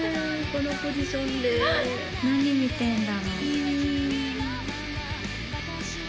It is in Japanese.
このポジションで何見てんだろう？